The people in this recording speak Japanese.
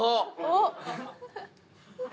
おっ。